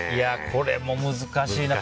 これも難しいな。